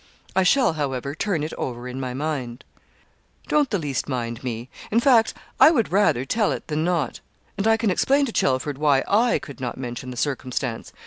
I shall, however, turn it over in my mind.' 'Don't the least mind me. In fact, I would rather tell it than not. And I can explain to Chelford why I could not mention the circumstance.